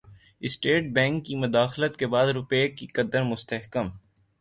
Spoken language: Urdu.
اسٹیٹ بینک کی مداخلت کے بعد روپے کی قدر مستحکم